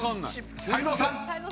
泰造さん］